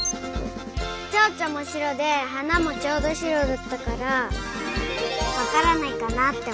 チョウチョもしろではなもちょうどしろだったからわからないかなっておもった。